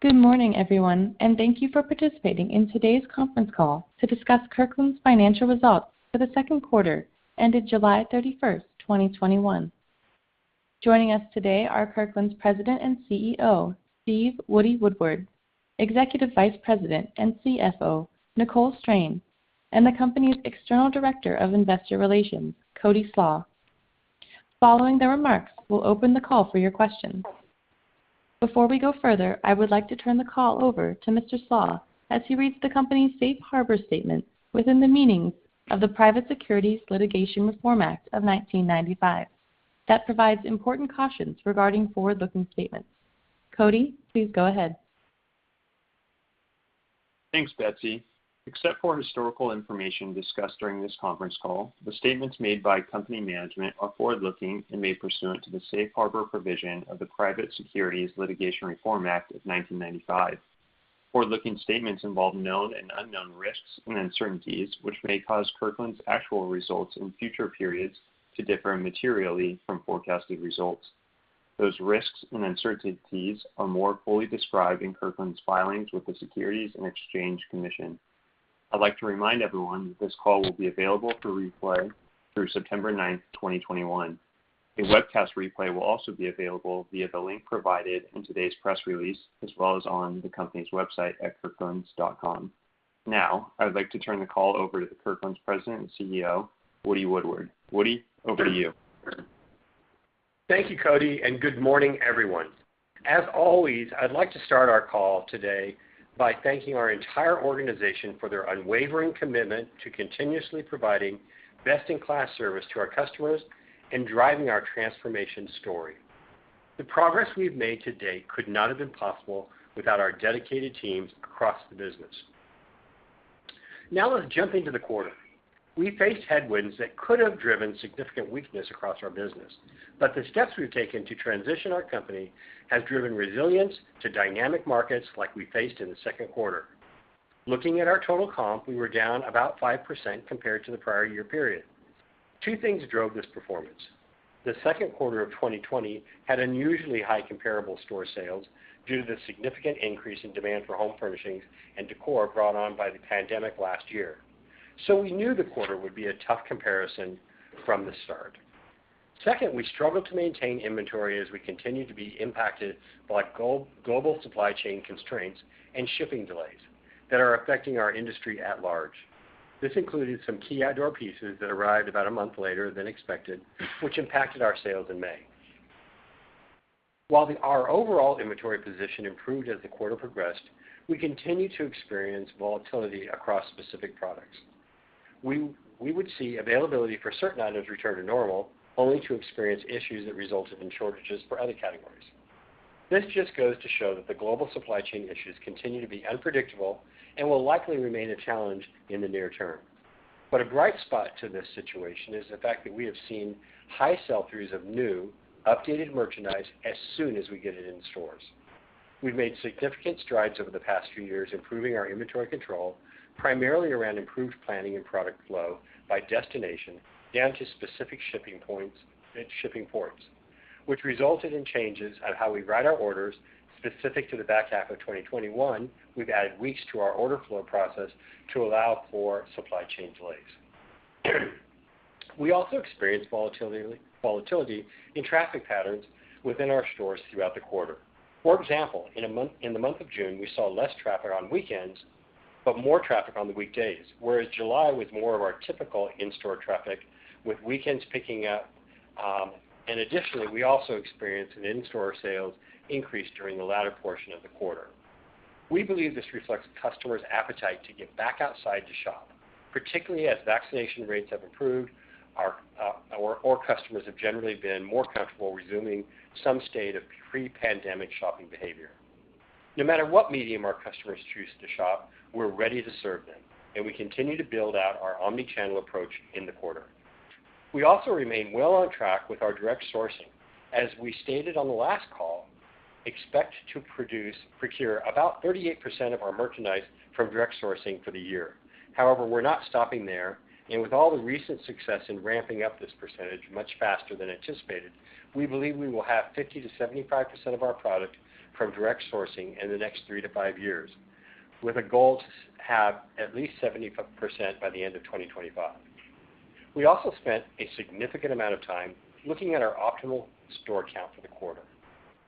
Good morning everyone, and thank you for participating in today's conference call to discuss Kirkland's financial results for the second quarter ended July 31st, 2021. Joining us today are Kirkland's President and CEO, Steve "Woody" Woodward, Executive Vice President and CFO, Nicole Strain, and the company's External Director of Investor Relations, Cody Slach. Following their remarks, we'll open the call for your questions. Before we go further, I would like to turn the call over to Mr. Slach as he reads the company's safe harbor statement within the meanings of the Private Securities Litigation Reform Act of 1995, that provides important cautions regarding forward-looking statements. Cody, please go ahead. Thanks, Betsy. Except for historical information discussed during this conference call, the statements made by company management are forward-looking and made pursuant to the safe harbor provision of the Private Securities Litigation Reform Act of 1995. Forward-looking statements involve known and unknown risks and uncertainties, which may cause Kirkland's actual results in future periods to differ materially from forecasted results. Those risks and uncertainties are more fully described in Kirkland's filings with the Securities and Exchange Commission. I'd like to remind everyone that this call will be available for replay through September 9th, 2021. A webcast replay will also be available via the link provided in today's press release, as well as on the company's website at kirklands.com. Now, I would like to turn the call over to Kirkland's President and CEO, Woody Woodward. Woody, over to you. Thank you, Cody. Good morning, everyone. As always, I'd like to start our call today by thanking our entire organization for their unwavering commitment to continuously providing best-in-class service to our customers and driving our transformation story. The progress we've made to date could not have been possible without our dedicated teams across the business. Let's jump into the quarter. We faced headwinds that could have driven significant weakness across our business, but the steps we've taken to transition our company have driven resilience to dynamic markets like we faced in the second quarter. Looking at our total comp, we were down about 5% compared to the prior year period. Two things drove this performance. The second quarter of 2020 had unusually high comparable store sales due to the significant increase in demand for home furnishings and decor brought on by the pandemic last year. We knew the quarter would be a tough comparison from the start. Second, we struggled to maintain inventory as we continued to be impacted by global supply chain constraints and shipping delays that are affecting our industry at large. This included some key outdoor pieces that arrived about a month later than expected, which impacted our sales in May. While our overall inventory position improved as the quarter progressed, we continued to experience volatility across specific products. We would see availability for certain items return to normal, only to experience issues that resulted in shortages for other categories. This just goes to show that the global supply chain issues continue to be unpredictable and will likely remain a challenge in the near term. A bright spot to this situation is the fact that we have seen high sell-throughs of new, updated merchandise as soon as we get it in stores. We've made significant strides over the past few years improving our inventory control, primarily around improved planning and product flow by destination, down to specific shipping points and shipping ports, which resulted in changes at how we write our orders specific to the back half of 2021. We've added weeks to our order flow process to allow for supply chain delays. We also experienced volatility in traffic patterns within our stores throughout the quarter. For example, in the month of June, we saw less traffic on weekends, but more traffic on the weekdays, whereas July was more of our typical in-store traffic with weekends picking up. Additionally, we also experienced an in-store sales increase during the latter portion of the quarter. We believe this reflects customers' appetite to get back outside to shop, particularly as vaccination rates have improved, our customers have generally been more comfortable resuming some state of pre-pandemic shopping behavior. No matter what medium our customers choose to shop, we're ready to serve them. We continue to build out our omni-channel approach in the quarter. We also remain well on track with our direct sourcing. As we stated on the last call, expect to procure about 38% of our merchandise from direct sourcing for the year. We're not stopping there. With all the recent success in ramping up this percentage much faster than anticipated, we believe we will have 50%-75% of our product from direct sourcing in the next three-five years, with a goal to have at least 70% by the end of 2025. We also spent a significant amount of time looking at our optimal store count for the quarter.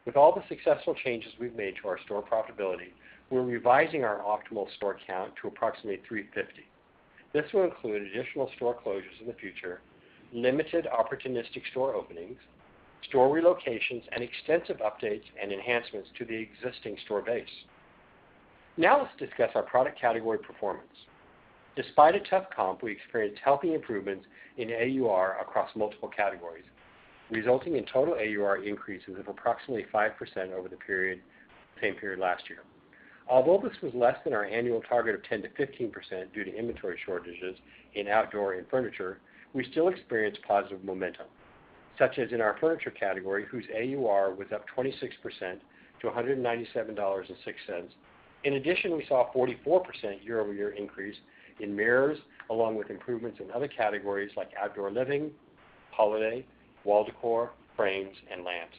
With all the successful changes we've made to our store profitability, we're revising our optimal store count to approximately 350. This will include additional store closures in the future, limited opportunistic store openings, store relocations, and extensive updates and enhancements to the existing store base. Let's discuss our product category performance. Despite a tough comp, we experienced healthy improvements in AUR across multiple categories, resulting in total AUR increases of approximately 5% over the same period last year. This was less than our annual target of 10%-15% due to inventory shortages in outdoor and furniture, we still experienced positive momentum, such as in our furniture category, whose AUR was up 26% to $197.06. In addition, we saw a 44% year-over-year increase in mirrors, along with improvements in other categories like outdoor living, Holiday, wall decor, frames, and lamps.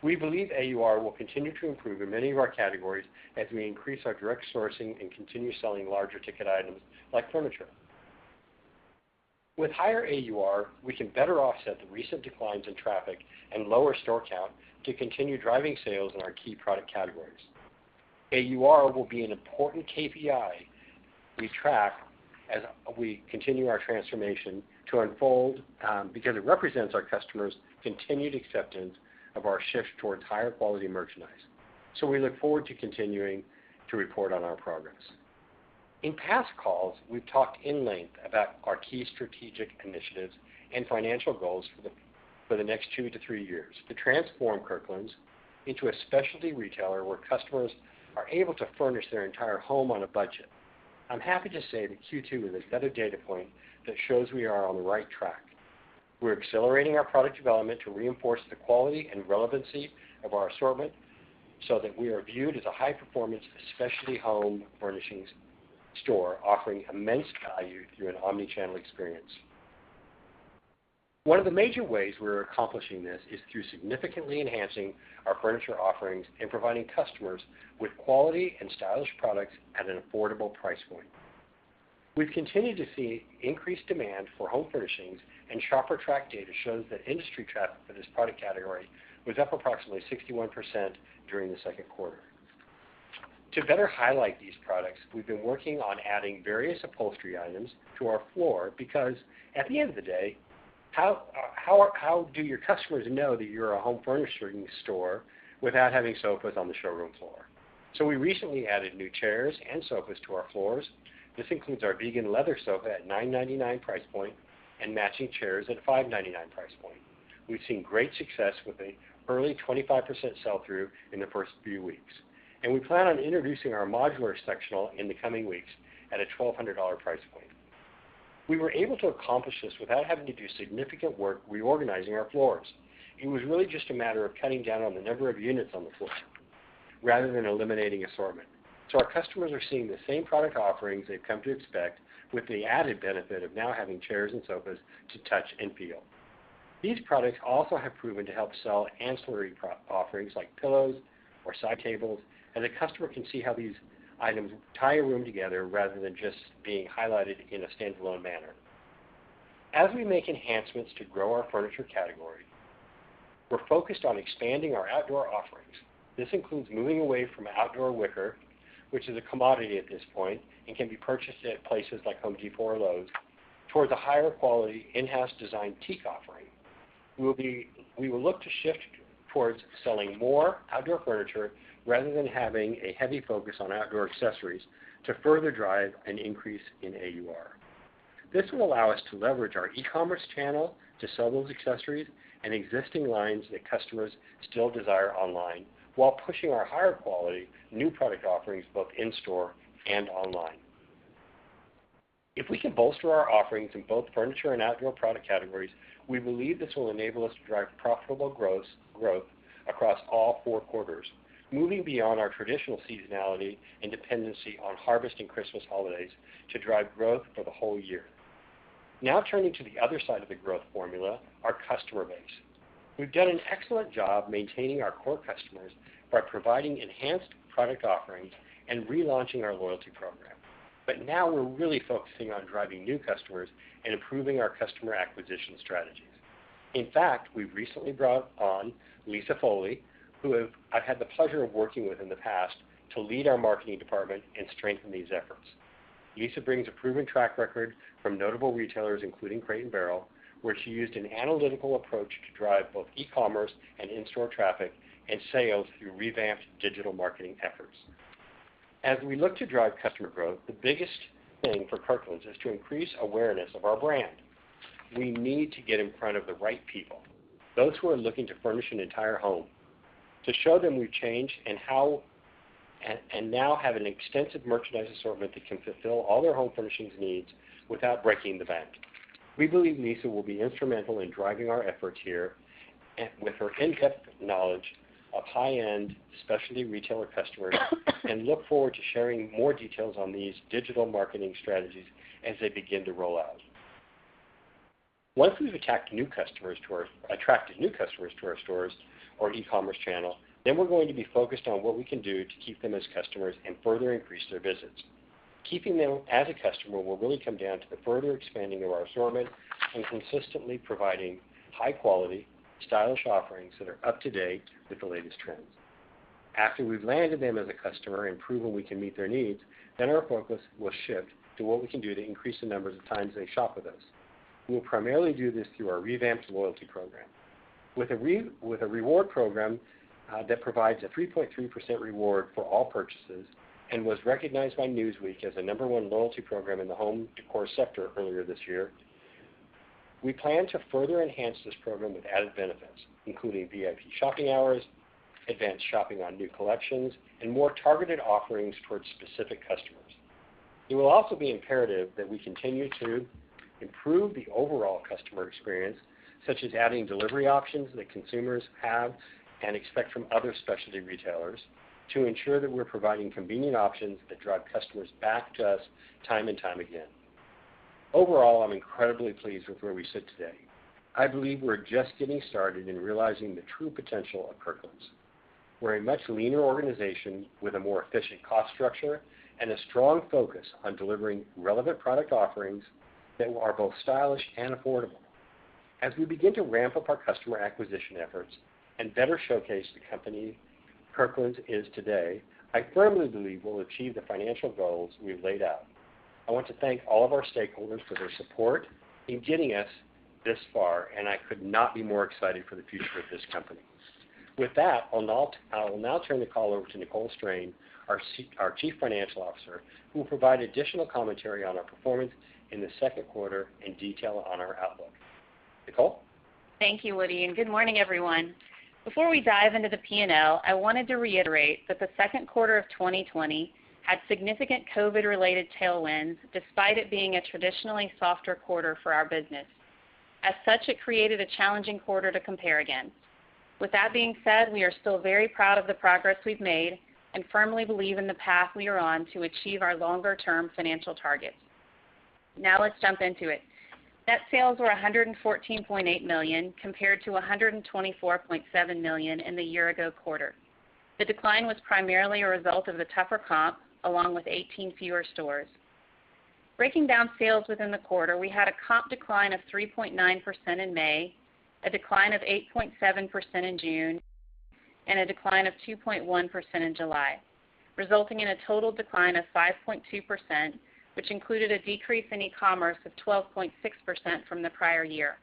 We believe AUR will continue to improve in many of our categories as we increase our direct sourcing and continue selling larger ticket items like furniture. With higher AUR, we can better offset the recent declines in traffic and lower store count to continue driving sales in our key product categories. AUR will be an important KPI we track as we continue our transformation to unfold because it represents our customers' continued acceptance of our shift towards higher quality merchandise. We look forward to continuing to report on our progress. In past calls, we've talked at length about our key strategic initiatives and financial goals for the next two-three years to transform Kirkland's into a specialty retailer where customers are able to furnish their entire home on a budget. I'm happy to say that Q2 is another data point that shows we are on the right track. We're accelerating our product development to reinforce the quality and relevancy of our assortment so that we are viewed as a high-performance, specialty home furnishings store offering immense value through an omni-channel experience. One of the major ways we're accomplishing this is through significantly enhancing our furniture offerings and providing customers with quality and stylish products at an affordable price point. We've continued to see increased demand for home furnishings, and ShopperTrak data shows that industry traffic for this product category was up approximately 61% during the second quarter. To better highlight these products, we've been working on adding various upholstery items to our floor because, at the end of the day, how do your customers know that you're a home furnishing store without having sofas on the showroom floor? We recently added new chairs and sofas to our floors. This includes our vegan leather sofa at $999 price point and matching chairs at $599 price point. We've seen great success with an early 25% sell-through in the first few weeks. We plan on introducing our modular sectional in the coming weeks at a $1,200 price point. We were able to accomplish this without having to do significant work reorganizing our floors. It was really just a matter of cutting down on the number of units on the floor rather than eliminating assortment. Our customers are seeing the same product offerings they've come to expect with the added benefit of now having chairs and sofas to touch and feel. These products also have proven to help sell ancillary offerings like pillows or side tables, and the customer can see how these items tie a room together rather than just being highlighted in a standalone manner. As we make enhancements to grow our furniture category, we're focused on expanding our outdoor offerings. This includes moving away from outdoor wicker, which is a commodity at this point and can be purchased at places like The Home Depot or Lowe's, towards a higher quality in-house designed teak offering. We will look to shift towards selling more outdoor furniture rather than having a heavy focus on outdoor accessories to further drive an increase in AUR. This will allow us to leverage our e-commerce channel to sell those accessories and existing lines that customers still desire online while pushing our higher quality new product offerings both in-store and online. If we can bolster our offerings in both furniture and outdoor product categories, we believe this will enable us to drive profitable growth across all four quarters, moving beyond our traditional seasonality and dependency on Harvest and Christmas holidays to drive growth for the whole year. Now turning to the other side of the growth formula, our customer base. We've done an excellent job maintaining our core customers by providing enhanced product offerings and relaunching our loyalty program. Now we're really focusing on driving new customers and improving our customer acquisition strategies. In fact, we've recently brought on Lisa Foley, who I've had the pleasure of working with in the past, to lead our marketing department and strengthen these efforts. Lisa brings a proven track record from notable retailers, including Crate & Barrel, where she used an analytical approach to drive both e-commerce and in-store traffic and sales through revamped digital marketing efforts. As we look to drive customer growth, the biggest thing for Kirkland's is to increase awareness of our brand. We need to get in front of the right people, those who are looking to furnish an entire home, to show them we've changed and now have an extensive merchandise assortment that can fulfill all their home furnishings needs without breaking the bank. We believe Lisa will be instrumental in driving our efforts here with her in-depth knowledge of high-end specialty retailer customers and look forward to sharing more details on these digital marketing strategies as they begin to roll out. Once we've attracted new customers to our stores or e-commerce channel, then we're going to be focused on what we can do to keep them as customers and further increase their visits. Keeping them as a customer will really come down to the further expanding of our assortment and consistently providing high-quality, stylish offerings that are up-to-date with the latest trends. After we've landed them as a customer and proven we can meet their needs, then our focus will shift to what we can do to increase the numbers of times they shop with us. We'll primarily do this through our revamped loyalty program. With a reward program that provides a 3.3% reward for all purchases and was recognized by Newsweek as the number one loyalty program in the home decor sector earlier this year, we plan to further enhance this program with added benefits, including VIP shopping hours, advanced shopping on new collections, and more targeted offerings towards specific customers. It will also be imperative that we continue to improve the overall customer experience, such as adding delivery options that consumers have and expect from other specialty retailers, to ensure that we're providing convenient options that drive customers back to us time and time again. Overall, I'm incredibly pleased with where we sit today. I believe we're just getting started in realizing the true potential of Kirkland's. We're a much leaner organization with a more efficient cost structure and a strong focus on delivering relevant product offerings that are both stylish and affordable. As we begin to ramp up our customer acquisition efforts and better showcase the company Kirkland's is today, I firmly believe we'll achieve the financial goals we've laid out. I want to thank all of our stakeholders for their support in getting us this far, and I could not be more excited for the future of this company. With that, I will now turn the call over to Nicole Strain, our Chief Financial Officer, who will provide additional commentary on our performance in the second quarter and detail on our outlook. Nicole? Thank you, Woody, and good morning, everyone. Before we dive into the P&L, I wanted to reiterate that the second quarter of 2020 had significant COVID-related tailwinds, despite it being a traditionally softer quarter for our business. As such, it created a challenging quarter to compare against. With that being said, we are still very proud of the progress we've made and firmly believe in the path we are on to achieve our longer-term financial targets. Now, let's jump into it. Net sales were $114.8 million compared to $124.7 million in the year ago quarter. The decline was primarily a result of the tougher comp, along with 18 fewer stores. Breaking down sales within the quarter, we had a comp decline of 3.9% in May, a decline of 8.7% in June, and a decline of 2.1% in July, resulting in a total decline of 5.2%, which included a decrease in e-commerce of 12.6% from the prior year.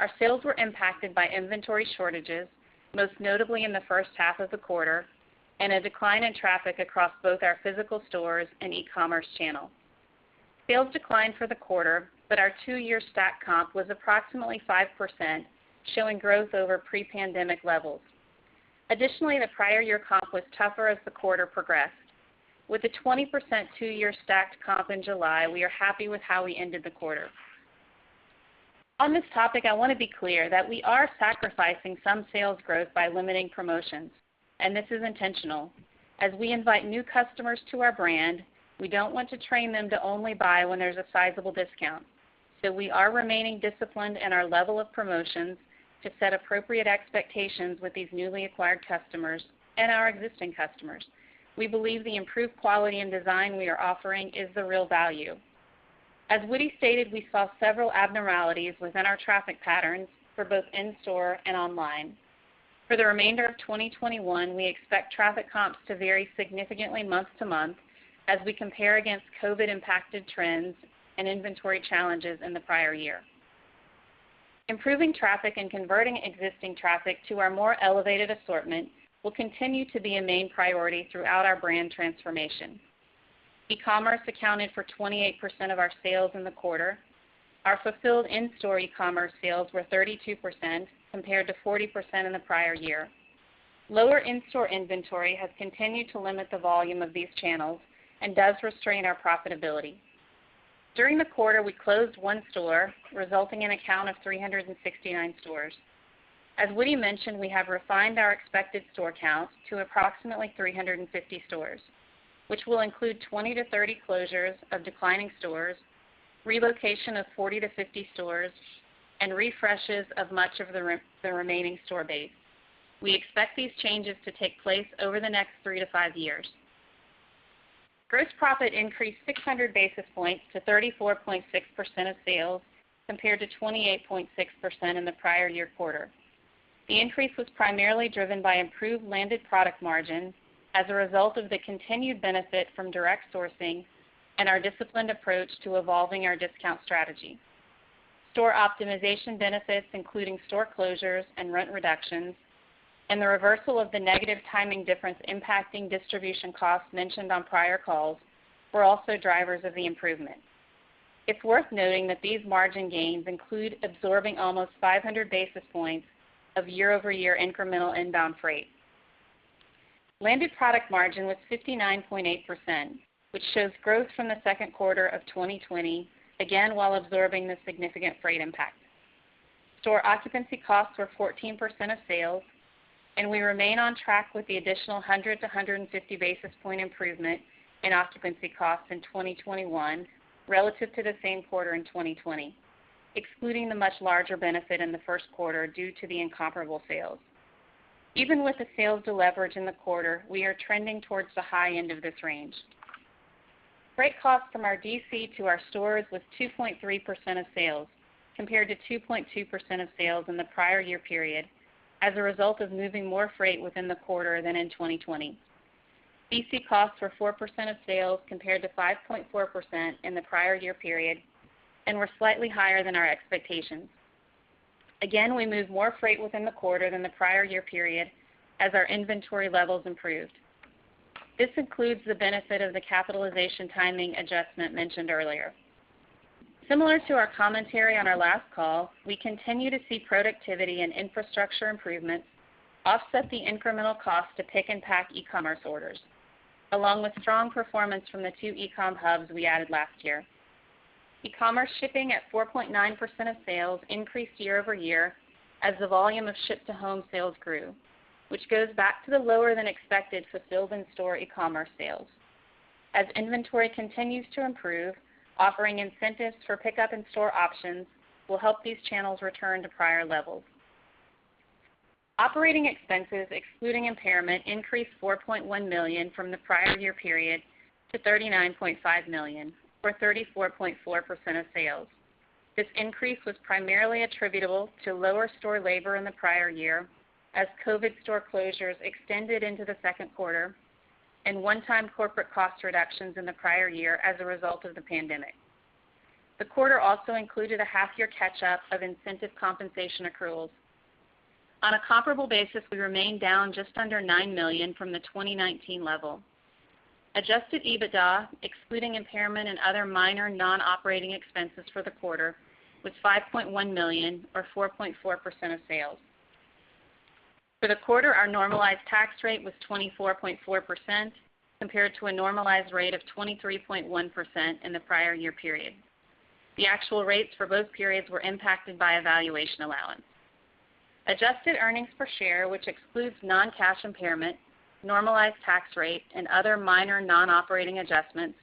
Our sales were impacted by inventory shortages, most notably in the first half of the quarter, and a decline in traffic across both our physical stores and e-commerce channel. Sales declined for the quarter, but our two-year stacked comp was approximately 5%, showing growth over pre-pandemic levels. Additionally, the prior year comp was tougher as the quarter progressed. With a 20% two-year stacked comp in July, we are happy with how we ended the quarter. On this topic, I want to be clear that we are sacrificing some sales growth by limiting promotions, and this is intentional. As we invite new customers to our brand, we don't want to train them to only buy when there's a sizable discount. We are remaining disciplined in our level of promotions to set appropriate expectations with these newly acquired customers and our existing customers. We believe the improved quality and design we are offering is the real value. As Woody stated, we saw several abnormalities within our traffic patterns for both in-store and online. For the remainder of 2021, we expect traffic comps to vary significantly month-to-month as we compare against COVID-impacted trends and inventory challenges in the prior year. Improving traffic and converting existing traffic to our more elevated assortment will continue to be a main priority throughout our brand transformation. E-commerce accounted for 28% of our sales in the quarter. Our fulfilled in-store e-commerce sales were 32%, compared to 40% in the prior year. Lower in-store inventory has continued to limit the volume of these channels and does restrain our profitability. During the quarter, we closed one store, resulting in a count of 369 stores. As Woody mentioned, we have refined our expected store count to approximately 350 stores, which will include 20-30 closures of declining stores, relocation of 40-50 stores, and refreshes of much of the remaining store base. We expect these changes to take place over the next three-five years. Gross profit increased 600 basis points to 34.6% of sales, compared to 28.6% in the prior year quarter. The increase was primarily driven by improved landed product margins as a result of the continued benefit from direct sourcing and our disciplined approach to evolving our discount strategy. Store optimization benefits, including store closures and rent reductions, and the reversal of the negative timing difference impacting distribution costs mentioned on prior calls, were also drivers of the improvement. It's worth noting that these margin gains include absorbing almost 500 basis points of year-over-year incremental inbound freight. Landed product margin was 59.8%, which shows growth from the second quarter of 2020, again, while absorbing the significant freight impact. Store occupancy costs were 14% of sales, and we remain on track with the additional 100-150 basis point improvement in occupancy costs in 2021 relative to the same quarter in 2020, excluding the much larger benefit in the first quarter due to the incomparable sales. Even with the sales deleverage in the quarter, we are trending towards the high end of this range. Freight costs from our DC to our stores was 2.3% of sales, compared to 2.2% of sales in the prior year period as a result of moving more freight within the quarter than in 2020. DC costs were 4% of sales compared to 5.4% in the prior year period and were slightly higher than our expectations. Again, we moved more freight within the quarter than the prior year period as our inventory levels improved. This includes the benefit of the capitalization timing adjustment mentioned earlier. Similar to our commentary on our last call, we continue to see productivity and infrastructure improvements offset the incremental cost to pick and pack e-commerce orders, along with strong performance from the two e-com hubs we added last year. E-commerce shipping at 4.9% of sales increased year-over-year as the volume of ship-to-home sales grew, which goes back to the lower-than-expected fulfilled in-store e-commerce sales. As inventory continues to improve, offering incentives for pickup in-store options will help these channels return to prior levels. Operating expenses excluding impairment increased $4.1 million from the prior year period to $39.5 million or 34.4% of sales. This increase was primarily attributable to lower store labor in the prior year as COVID store closures extended into the second quarter, and one-time corporate cost reductions in the prior year as a result of the pandemic. The quarter also included a half-year catch-up of incentive compensation accruals. On a comparable basis, we remain down just under $9 million from the 2019 level. Adjusted EBITDA, excluding impairment and other minor non-operating expenses for the quarter, was $5.1 million or 4.4% of sales. For the quarter, our normalized tax rate was 24.4% compared to a normalized rate of 23.1% in the prior year period. The actual rates for both periods were impacted by a valuation allowance. Adjusted earnings per share, which excludes non-cash impairment, normalized tax rate, and other minor non-operating adjustments,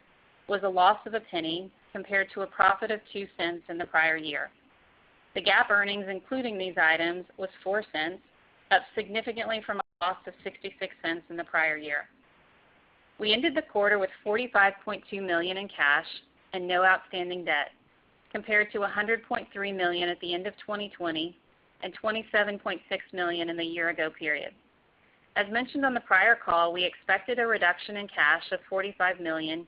was a loss of a penny compared to a profit of $0.02 in the prior year. The GAAP earnings including these items was $0.04, up significantly from a loss of $0.66 in the prior year. We ended the quarter with $45.2 million in cash and no outstanding debt, compared to $100.3 million at the end of 2020 and $27.6 million in the year-ago period. As mentioned on the prior call, we expected a reduction in cash of $45 million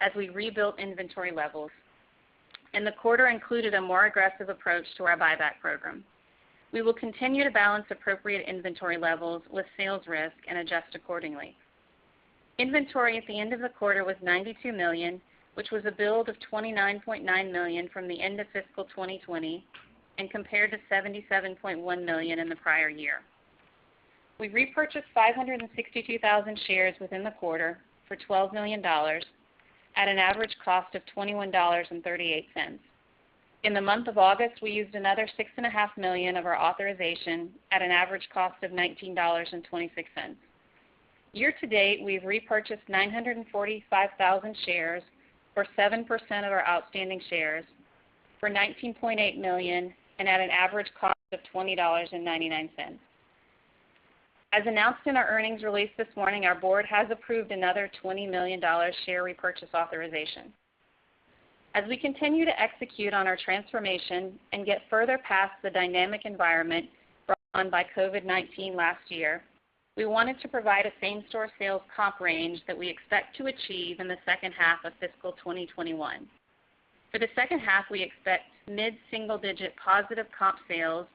as we rebuilt inventory levels, and the quarter included a more aggressive approach to our buyback program. We will continue to balance appropriate inventory levels with sales risk and adjust accordingly. Inventory at the end of the quarter was $92 million, which was a build of $29.9 million from the end of fiscal 2020 and compared to $77.1 million in the prior year. We repurchased 562,000 shares within the quarter for $12 million at an average cost of $21.38. In the month of August, we used another $6.5 million of our authorization at an average cost of $19.26. Year-to-date, we've repurchased 945,000 shares or 7% of our outstanding shares for $19.8 million and at an average cost of $20.99. As announced in our earnings release this morning, our board has approved another $20 million share repurchase authorization. As we continue to execute on our transformation and get further past the dynamic environment brought on by COVID-19 last year, we wanted to provide a same-store sales comp range that we expect to achieve in the second half of fiscal 2021. For the second half, we expect mid-single-digit positive comp sales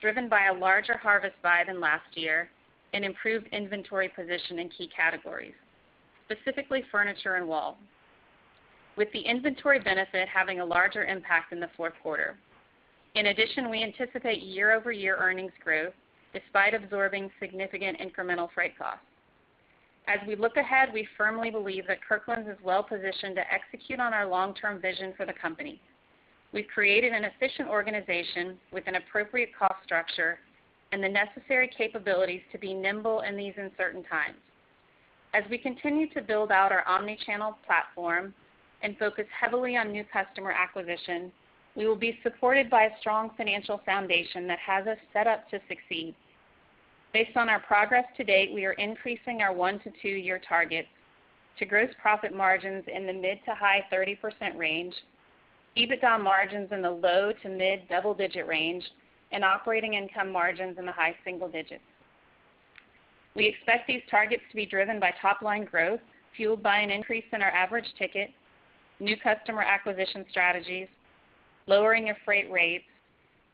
driven by a larger Harvest buy than last year and improved inventory position in key categories, specifically furniture and wall, with the inventory benefit having a larger impact in the fourth quarter. In addition, we anticipate year-over-year earnings growth despite absorbing significant incremental freight costs. As we look ahead, we firmly believe that Kirkland's is well-positioned to execute on our long-term vision for the company. We've created an efficient organization with an appropriate cost structure and the necessary capabilities to be nimble in these uncertain times. As we continue to build out our omni-channel platform and focus heavily on new customer acquisition, we will be supported by a strong financial foundation that has us set up to succeed. Based on our progress to date, we are increasing our one-two year targets to gross profit margins in the mid to high 30% range, EBITDA margins in the low to mid double-digit range, and operating income margins in the high single digits. We expect these targets to be driven by top-line growth, fueled by an increase in our average ticket, new customer acquisition strategies, lowering of freight rates,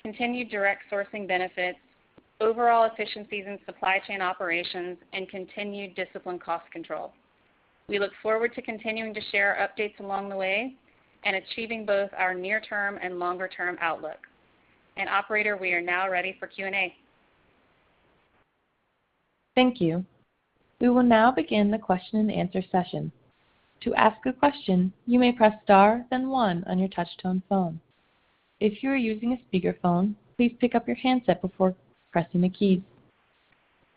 continued direct sourcing benefits, overall efficiencies in supply chain operations, and continued disciplined cost control. We look forward to continuing to share updates along the way and achieving both our near-term and longer-term outlook. Operator, we are now ready for Q&A. Thank you. We will now begin the question and answer session. To ask a question, you may press star then one on your touchtone phone. If you're using a speaker phone, please pick up your handset before pressing a key.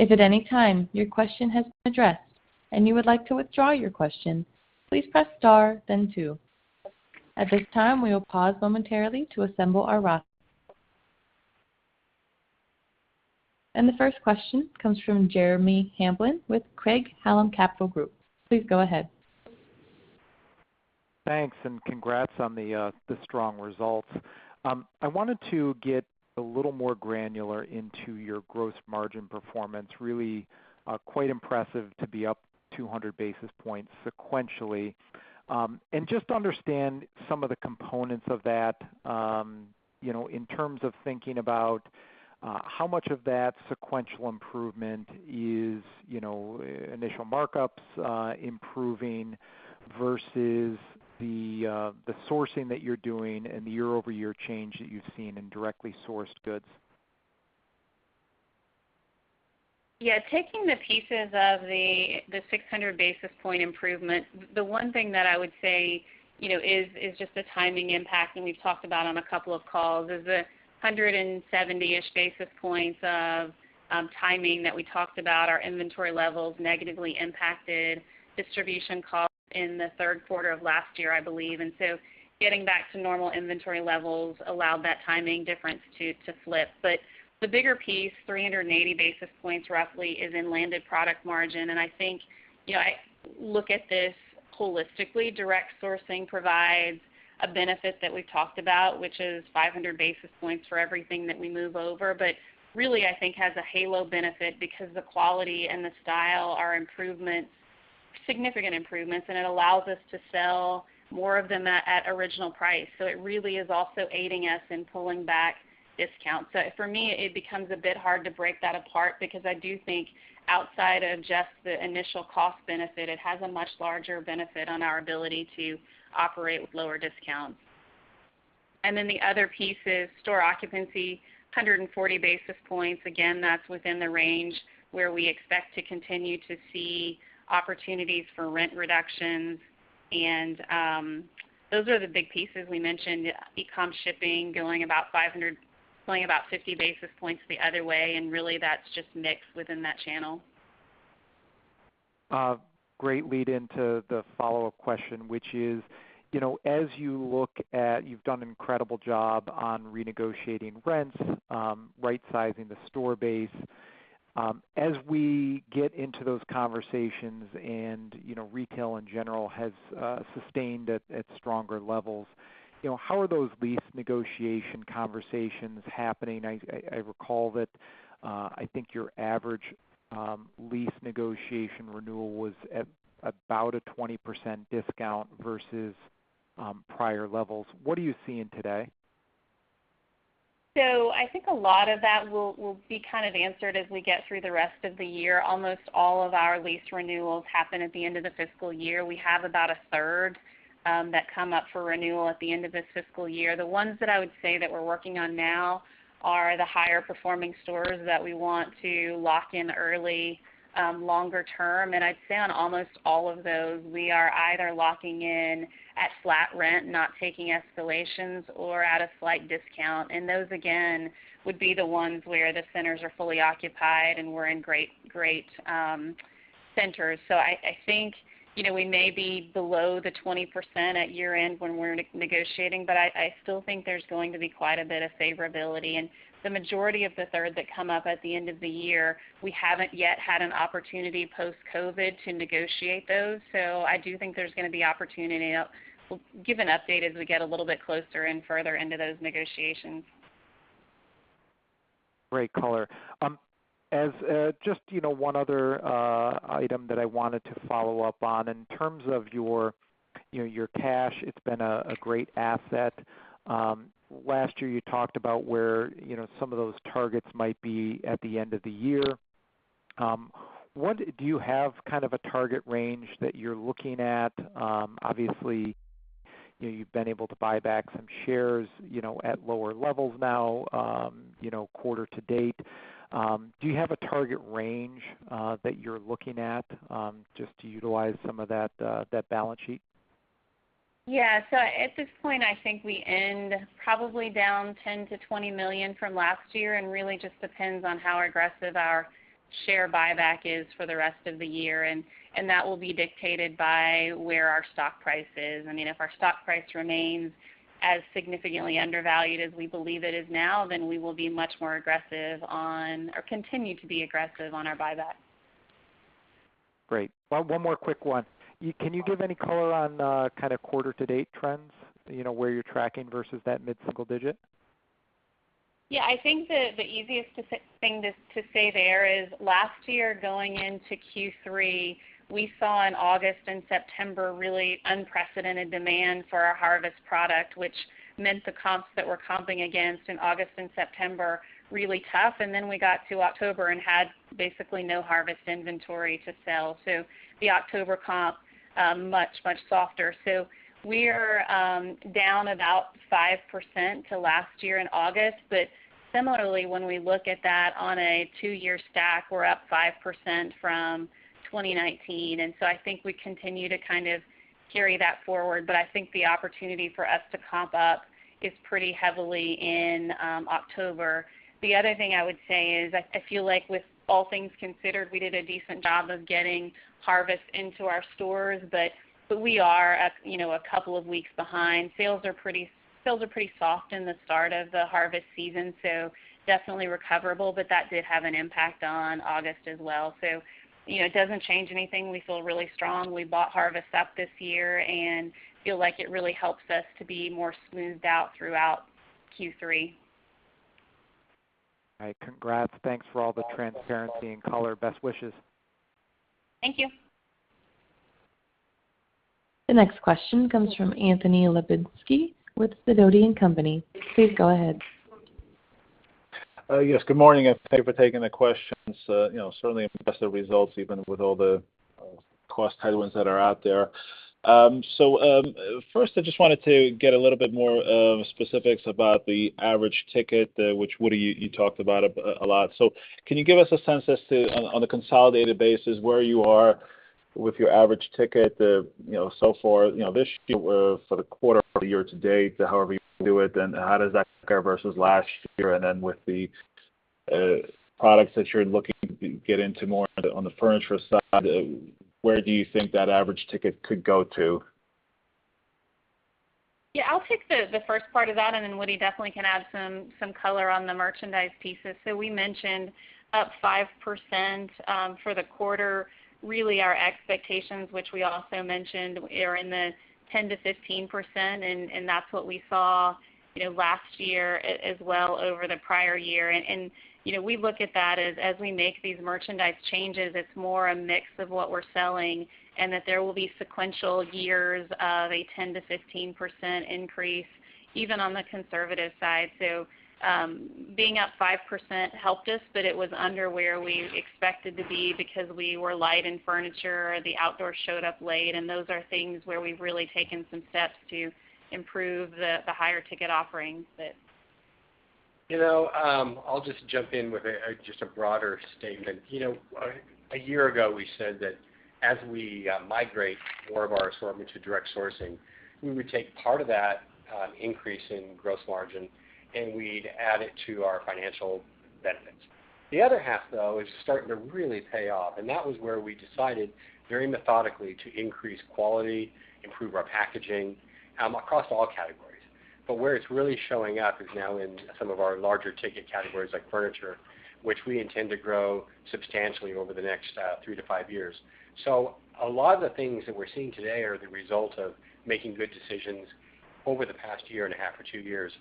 At any time your question has been addressed, and you if you would like to withdraw your question, please press star then two. At this time, we will pause momentarily to assemble our roster. The first question comes from Jeremy Hamblin with Craig-Hallum Capital Group. Please go ahead. Thanks and congrats on the strong results. I wanted to get a little more granular into your gross margin performance. Really quite impressive to be up 200 basis points sequentially. Just to understand some of the components of that, in terms of thinking about how much of that sequential improvement is initial markups improving versus the sourcing that you're doing and the year-over-year change that you've seen in directly sourced goods. Yeah. Taking the pieces of the 600 basis point improvement, the one thing that I would say is just the timing impact, and we've talked about on a couple of calls, is the 170-ish basis points of timing that we talked about. Our inventory levels negatively impacted distribution costs in the third quarter of last year, I believe. Getting back to normal inventory levels allowed that timing difference to flip. The bigger piece, 380 basis points roughly, is in landed product margin. Look at this holistically. Direct sourcing provides a benefit that we've talked about, which is 500 basis points for everything that we move over, but really, I think has a halo benefit because the quality and the style are significant improvements, and it allows us to sell more of them at original price. It really is also aiding us in pulling back discounts. For me, it becomes a bit hard to break that apart because I do think outside of just the initial cost benefit, it has a much larger benefit on our ability to operate with lower discounts. The other piece is store occupancy, 140 basis points. Again, that's within the range where we expect to continue to see opportunities for rent reductions. Those are the big pieces we mentioned. E-com shipping going about 50 basis points the other way, and really that's just mix within that channel. Great lead into the follow-up question, which is, as you look at, you've done an incredible job on renegotiating rents, right-sizing the store base. As we get into those conversations and retail in general has sustained at stronger levels, how are those lease negotiation conversations happening? I recall that I think your average lease negotiation renewal was at about a 20% discount versus prior levels. What are you seeing today? I think a lot of that will be answered as we get through the rest of the year. Almost all of our lease renewals happen at the end of the fiscal year. We have about a third that come up for renewal at the end of this fiscal year. The ones that I would say that we're working on now are the higher performing stores that we want to lock in early, longer term. I'd say on almost all of those, we are either locking in at flat rent, not taking escalations or at a slight discount. Those, again, would be the ones where the centers are fully occupied, and we're in great centers. I think, we may be below the 20% at year end when we're negotiating, but I still think there's going to be quite a bit of favorability. The majority of the third that come up at the end of the year, we haven't yet had an opportunity post-COVID-19 to negotiate those. I do think there's going to be opportunity. We'll give an update as we get a little bit closer and further into those negotiations. Great color. Just one other item that I wanted to follow up on, in terms of your cash, it's been a great asset. Last year, you talked about where some of those targets might be at the end of the year. Do you have a target range that you're looking at? Obviously, you've been able to buy back some shares at lower levels now, quarter to date. Do you have a target range that you're looking at just to utilize some of that balance sheet? Yeah. At this point, I think we end probably down $10 million-$20 million from last year, really just depends on how aggressive our share buyback is for the rest of the year, that will be dictated by where our stock price is. If our stock price remains as significantly undervalued as we believe it is now, we will be much more aggressive on, or continue to be aggressive on our buyback. Great. One more quick one. Can you give any color on quarter-to-date trends, where you're tracking versus that mid-single digit? Yeah, I think the easiest thing to say there is last year going into Q3, we saw in August and September really unprecedented demand for our Harvest product, which meant the comps that we're comping against in August and September, really tough. We got to October and had basically no Harvest inventory to sell. The October comp, much, much softer. We are down about 5% to last year in August. Similarly, when we look at that on a two-year stack, we're up 5% from 2019, I think we continue to carry that forward. I think the opportunity for us to comp up is pretty heavily in October. The other thing I would say is I feel like with all things considered, we did a decent job of getting Harvest into our stores, but we are a couple of weeks behind. Sales are pretty soft in the start of the Harvest season, so definitely recoverable, but that did have an impact on August as well. It doesn't change anything. We feel really strong. We bought Harvest up this year and feel like it really helps us to be more smoothed out throughout Q3. All right. Congrats. Thanks for all the transparency and color. Best wishes. Thank you. The next question comes from Anthony Lebiedzinski with Sidoti & Company. Please go ahead. Yes, good morning, and thank you for taking the questions. Certainly impressive results even with all the cost headwinds that are out there. First I just wanted to get a little bit more specifics about the average ticket, which, Woody, you talked about a lot. Can you give us a sense as to, on the consolidated basis, where you are with your average ticket so far this year for the quarter, for the year to date, however you view it, and how does that compare versus last year? With the products that you're looking to get into more on the furniture side, where do you think that average ticket could go to? Yeah, I'll take the first part of that. Woody definitely can add some color on the merchandise pieces. We mentioned up 5% for the quarter, really our expectations, which we also mentioned are in the 10%-15%, that's what we saw last year as well over the prior year. We look at that as we make these merchandise changes, it's more a mix of what we're selling, that there will be sequential years of a 10%-15% increase even on the conservative side. Being up 5% helped us, it was under where we expected to be because we were light in furniture, the outdoor showed up late, those are things where we've really taken some steps to improve the higher ticket offerings that I'll just jump in with just a broader statement. A year ago we said that as we migrate more of our assortment to direct sourcing, we would take part of that increase in gross margin, and we'd add it to our financial benefits. The other half, though, is starting to really pay off, and that was where we decided very methodically to increase quality, improve our packaging across all categories. Where it's really showing up is now in some of our larger ticket categories like furniture, which we intend to grow substantially over the next three to five years. A lot of the things that we're seeing today are the result of making good decisions over the past year and a half or two years.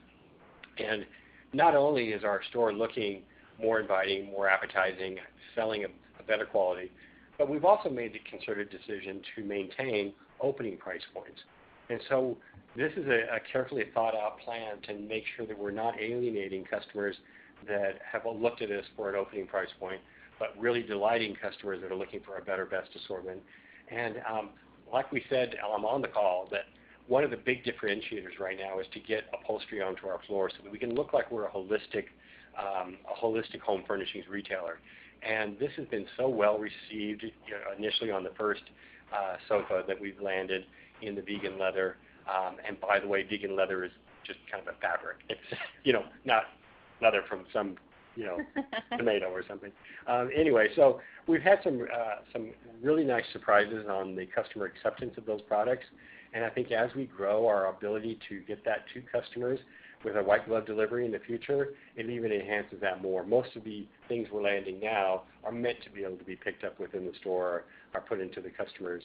Not only is our store looking more inviting, more appetizing, selling a better quality, but we've also made the considered decision to maintain opening price points. This is a carefully thought-out plan to make sure that we're not alienating customers that have looked at us for an opening price point, but really delighting customers that are looking for a better best assortment. Like we said on the call, that one of the big differentiators right now is to get upholstery onto our floor so that we can look like we're a holistic home furnishings retailer. This has been so well received initially on the first sofa that we've landed in the vegan leather. By the way, vegan leather is just kind of a fabric. It's not leather from some tomato or something. We've had some really nice surprises on the customer acceptance of those products, and I think as we grow our ability to get that to customers with a white glove delivery in the future, it even enhances that more. Most of the things we're landing now are meant to be able to be picked up within the store or put into the customer's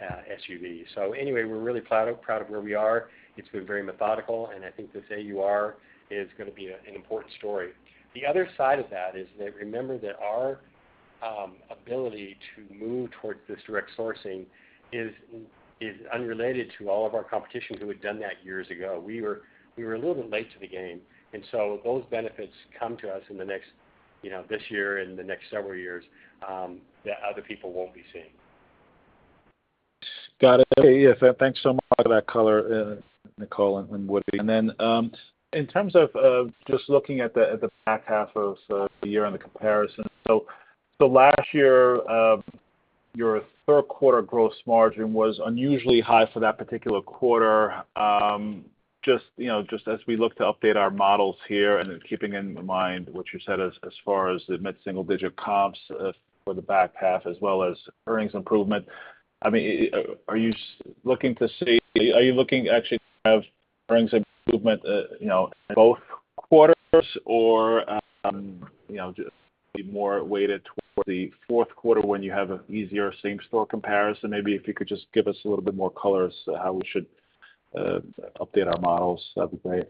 SUV. We're really proud of where we are. It's been very methodical, and I think this AUR is going to be an important story. The other side of that is that remember that our ability to move towards this direct sourcing is unrelated to all of our competition who had done that years ago. We were a little bit late to the game, and so those benefits come to us in this year and the next several years that other people won't be seeing. Got it. Thanks so much for that color, Nicole and Woody. Then, in terms of just looking at the back half of the year and the comparison. Last year, your third quarter gross margin was unusually high for that particular quarter. Just as we look to update our models here, keeping in mind what you said as far as the mid-single digit comps for the back half as well as earnings improvement, are you looking actually to have earnings improvement in both quarters, or just be more weighted towards the fourth quarter when you have an easier same store comparison? Maybe if you could just give us a little bit more color as to how we should update our models, that'd be great.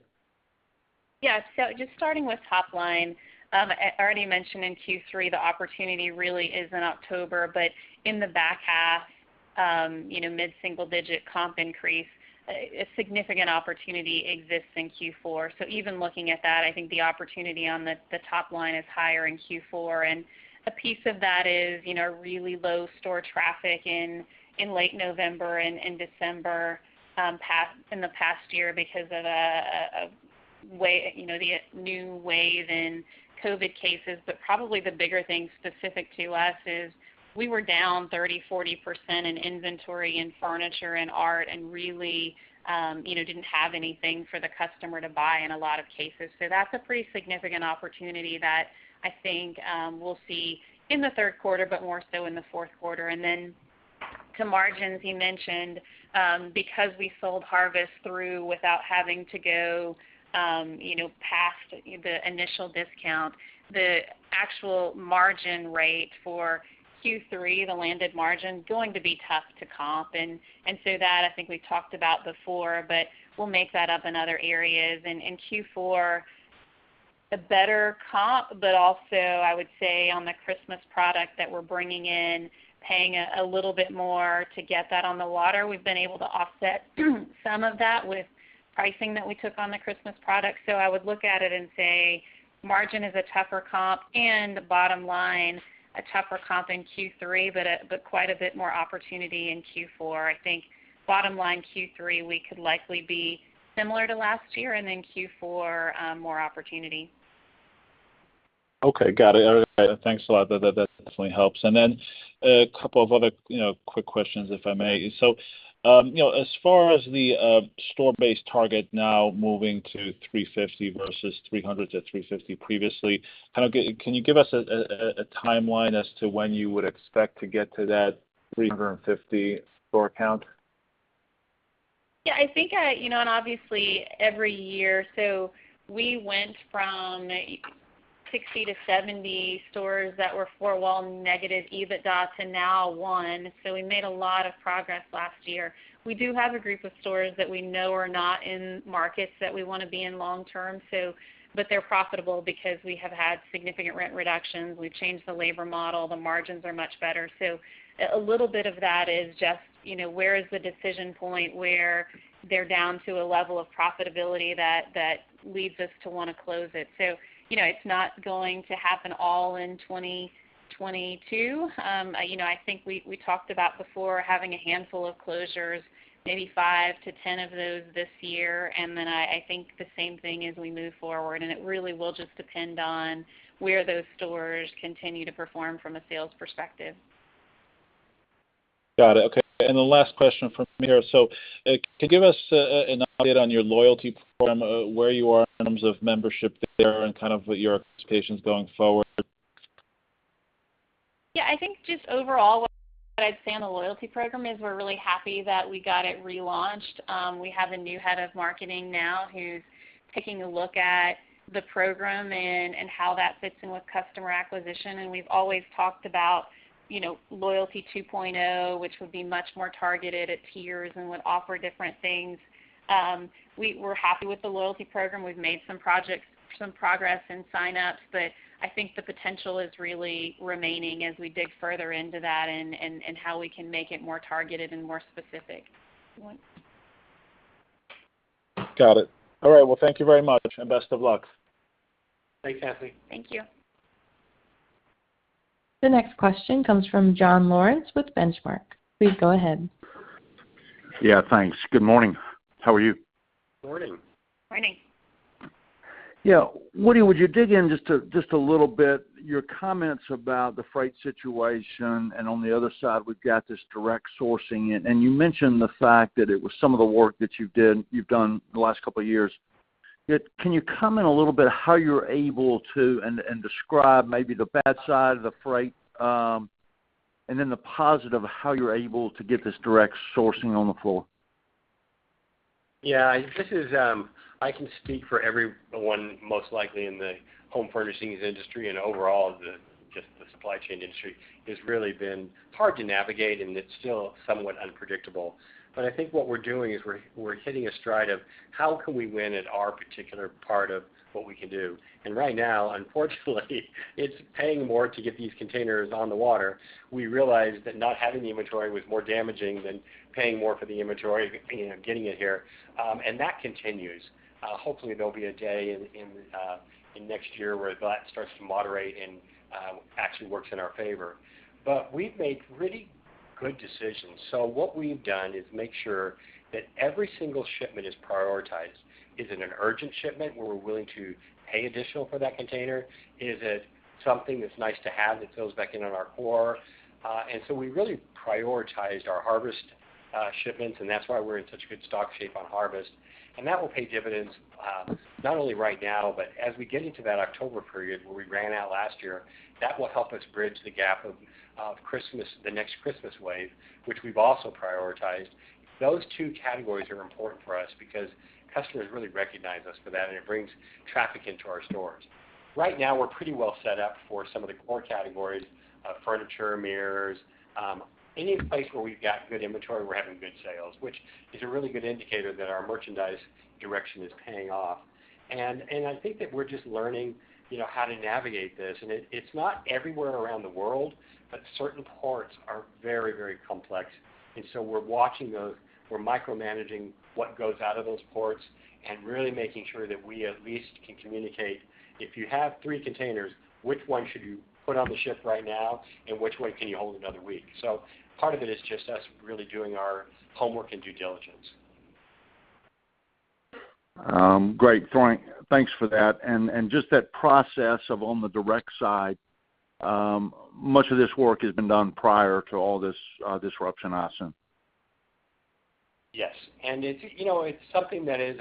Just starting with top line. I already mentioned in Q3, the opportunity really is in October, but in the back half, mid-single digit comp increase, a significant opportunity exists in Q4. Even looking at that, I think the opportunity on the top line is higher in Q4. A piece of that is really low store traffic in late November and in December in the past year because of the new wave in COVID cases. Probably the bigger thing specific to us is we were down 30%, 40% in inventory, in furniture, in art, and really didn't have anything for the customer to buy in a lot of cases. That's a pretty significant opportunity that I think we'll see in the third quarter, but more so in the fourth quarter. To margins, you mentioned, because we sold Harvest through without having to go past the initial discount, the actual margin rate for Q3, the landed margin, is going to be tough to comp. That, I think we talked about before, but we'll make that up in other areas. In Q4, a better comp, but also I would say on the Christmas product that we're bringing in, paying a little bit more to get that on the water, we've been able to offset some of that with pricing that we took on the Christmas product. I would look at it and say margin is a tougher comp and bottom line, a tougher comp in Q3, but quite a bit more opportunity in Q4. I think bottom line Q3, we could likely be similar to last year, then Q4, more opportunity. Okay. Got it. Thanks a lot. That definitely helps. A couple of other quick questions, if I may. As far as the store base target now moving to 350 versus 300 to 350 previously, can you give us a timeline as to when you would expect to get to that 350 store count? Yeah. Obviously every year, we went from 60 to 70 stores that were four-wall negative EBITDA to now one. We made a lot of progress last year. We do have a group of stores that we know are not in markets that we want to be in long term, but they're profitable because we have had significant rent reductions. We've changed the labor model. The margins are much better. A little bit of that is just where is the decision point where they're down to a level of profitability that leads us to want to close it. It's not going to happen all in 2022. I think we talked about before having a handful of closures, maybe 5-10 of those this year, and then I think the same thing as we move forward, and it really will just depend on where those stores continue to perform from a sales perspective. Got it. Okay. The last question from me here. Can you give us an update on your loyalty program, where you are in terms of membership there and kind of what your expectations going forward? Yeah, I think just overall what I'd say on the loyalty program is we're really happy that we got it relaunched. We have a new head of marketing now who's taking a look at the program and how that fits in with customer acquisition, and we've always talked about Loyalty 2.0, which would be much more targeted at tiers and would offer different things. We're happy with the loyalty program. We've made some progress in sign-ups, but I think the potential is really remaining as we dig further into that and how we can make it more targeted and more specific. Got it. All right. Well, thank you very much, and best of luck. Thanks, Anthony Thank you. The next question comes from John Lawrence with Benchmark. Please go ahead. Yeah, thanks. Good morning. How are you? Morning. Morning. Yeah. Woody, would you dig in just a little bit, your comments about the freight situation and on the other side, we've got this direct sourcing, and you mentioned the fact that it was some of the work that you've done the last couple of years. Can you comment a little bit how you're able to, and describe maybe the bad side of the freight, and then the positive of how you're able to get this direct sourcing on the floor? Yeah. I can speak for everyone, most likely, in the home furnishings industry and overall just the supply chain industry. It's really been hard to navigate, and it's still somewhat unpredictable. I think what we're doing is we're hitting a stride of how can we win at our particular part of what we can do. Right now, unfortunately, it's paying more to get these containers on the water. We realized that not having the inventory was more damaging than paying more for the inventory, getting it here. That continues. Hopefully there'll be a day in next year where that starts to moderate and actually works in our favor. We've made really good decisions. What we've done is make sure that every single shipment is prioritized. Is it an urgent shipment where we're willing to pay additional for that container? Is it something that's nice to have that fills back in on our core? We really prioritized our Harvest shipments, and that's why we're in such good stock shape on Harvest. That will pay dividends, not only right now, but as we get into that October period where we ran out last year, that will help us bridge the gap of the next Christmas wave, which we've also prioritized. Those two categories are important for us because customers really recognize us for that, and it brings traffic into our stores. Right now, we're pretty well set up for some of the core categories of furniture, mirrors. Any place where we've got good inventory, we're having good sales, which is a really good indicator that our merchandise direction is paying off. I think that we're just learning how to navigate this, and it's not everywhere around the world, but certain ports are very complex. We're watching those. We're micromanaging what goes out of those ports and really making sure that we at least can communicate, if you have three containers, which one should you put on the ship right now, and which one can you hold another week? Part of it is just us really doing our homework and due diligence. Great point. Thanks for that. Just that process of on the direct side, much of this work has been done prior to all this disruption, hasn't it? Yes. It's something that is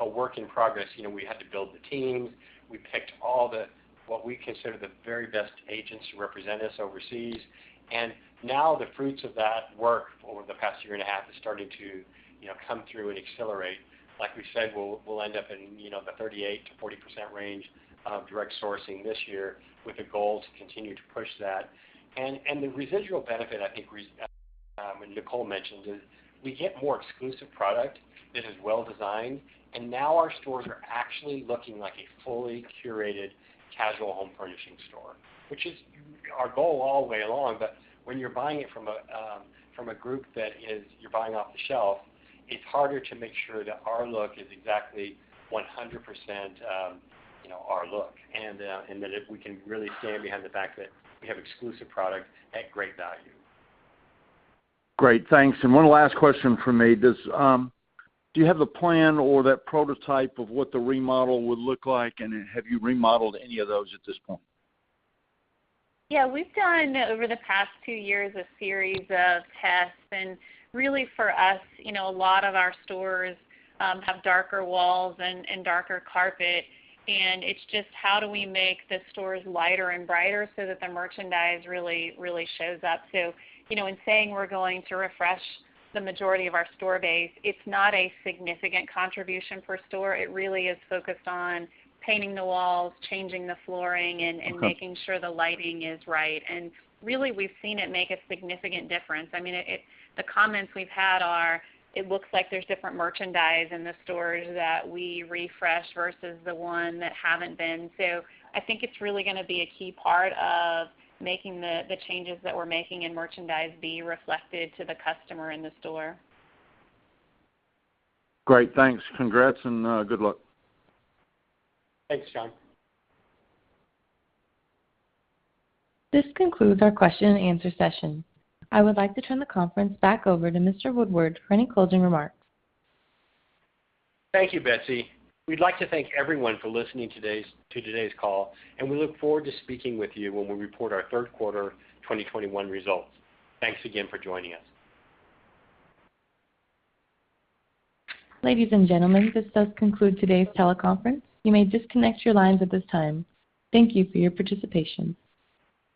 a work in progress. We had to build the teams. We picked all the, what we consider the very best agents to represent us overseas. Now the fruits of that work over the past year and a half is starting to come through and accelerate. Like we said, we'll end up in the 38%-40% range of direct sourcing this year with a goal to continue to push that. The residual benefit I think, when Nicole mentioned, is we get more exclusive product that is well-designed, and now our stores are actually looking like a fully curated casual home furnishing store, which is our goal all the way along. When you're buying it from a group that you're buying off the shelf, it's harder to make sure that our look is exactly 100% our look, and that we can really stand behind the fact that we have exclusive product at great value. Great, thanks. One last question from me. Do you have a plan or that prototype of what the remodel would look like, and have you remodeled any of those at this point? Yeah. We've done, over the past two years, a series of tests, and really for us, a lot of our stores have darker walls and darker carpet, and it's just how do we make the stores lighter and brighter so that the merchandise really shows up. In saying we're going to refresh the majority of our store base, it's not a significant contribution per store. It really is focused on painting the walls, changing the flooring- Okay Making sure the lighting is right. Really, we've seen it make a significant difference. I mean, the comments we've had are it looks like there's different merchandise in the stores that we refresh versus the one that haven't been. I think it's really going to be a key part of making the changes that we're making in merchandise be reflected to the customer in the store. Great, thanks. Congrats, and good luck. Thanks, John. This concludes our question and answer session. I would like to turn the conference back over to Mr. Woodward for any closing remarks. Thank you, Betsy. We'd like to thank everyone for listening to today's call, and we look forward to speaking with you when we report our third quarter 2021 results. Thanks again for joining us. Ladies and gentlemen, this does conclude today's teleconference. You may disconnect your lines at this time. Thank you for your participation.